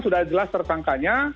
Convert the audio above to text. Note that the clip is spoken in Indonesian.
sudah jelas terangkanya